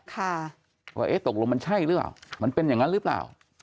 ค่ะว่าเอ๊ะตกลงมันใช่หรือเปล่ามันเป็นอย่างนั้นหรือเปล่า